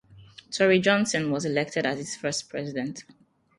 Torrey Johnson was elected as its first president.